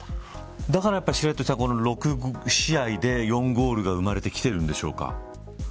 だから６試合で４ゴールが生まれてきてるんでしょうか。